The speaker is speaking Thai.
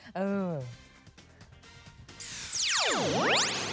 เออ